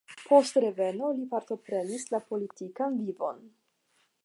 Post reveno li partoprenis la politikan vivon.